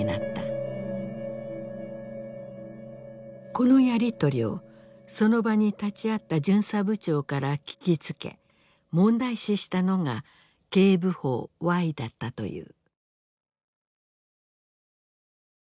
このやり取りをその場に立ち会った巡査部長から聞きつけ問題視したのが警部補Ｙだったという。